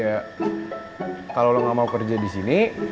ya kalo lo gak mau kerja disini